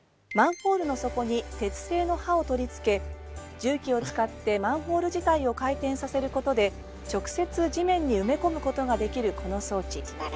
マンホールの底に鉄製の「歯」を取り付け重機を使ってマンホール自体を回転させることで直接地面に埋め込むことができるこの装置。